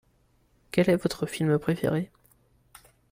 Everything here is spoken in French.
Quel est votre film préféré ?